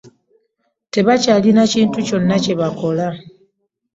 Tebakyalina kintu kyonna kye bakola